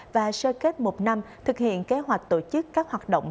và sơ kết một năm thực hiện kế hoạch tổ chức các hoạt động